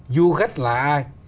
du khách là ai